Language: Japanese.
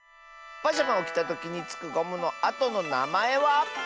⁉パジャマをきたときにつくゴムのあとのなまえは。